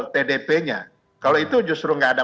tdp nya kalau itu justru nggak ada